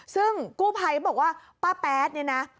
ซึ่งกู้ภัยบอกว่าป้าแป๊ดเนี่ยนะ